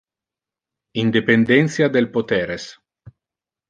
Independentia del poteres.